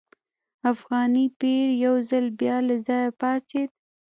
افغاني پیر یو ځل بیا له ځایه پاڅېد.